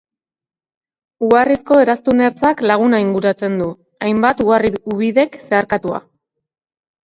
Uharrizko eraztun ertzak laguna inguratzen du, hainbat uharri-ubidek zeharkatua.